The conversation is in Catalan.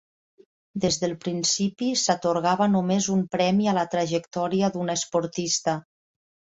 Des del principi, s'atorgava només un premi a la trajectòria d'una esportista.